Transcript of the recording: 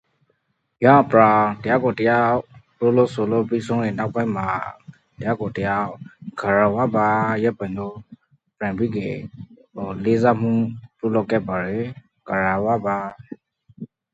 It is considered the final album of Jandek's "second acoustic phase".